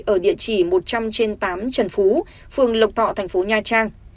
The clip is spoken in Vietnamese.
ở địa chỉ một trăm linh trên tám trần phú phường lộc thọ thành phố nha trang